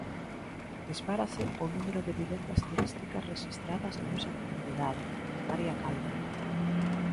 Dispárase o número de vivendas turísticas rexistradas na nosa comunidade, María Calvo.